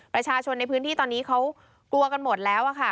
ประชาชนในพื้นที่ตอนนี้เขากลัวกันหมดแล้วค่ะ